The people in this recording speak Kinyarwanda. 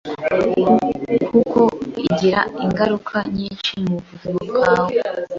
kuko igira ingaruka nyinshi mu buzima bwabo